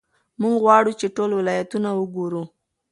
موږ غواړو چې ټول ولایتونه وګورو.